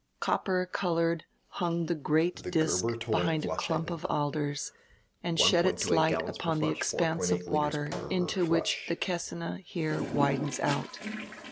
Copper colored hung die great disk behind a clump of alders and shed its light upon die expanse of water into which die Kessine here widens out.